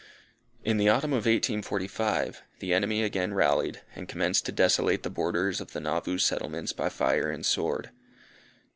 In the autumn of 1845, the enemy again rallied, and commenced to desolate the borders of the Nauvoo settlements by fire and sword.